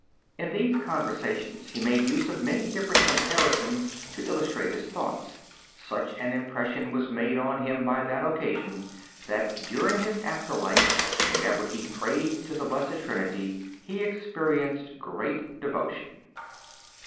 In these conversations he made use of many different comparisons to illustrate his thoughts. Such an impression was made on him on that occasion that during his after life, whenever he prayed to the Blessed Trinity, he experienced great devotion.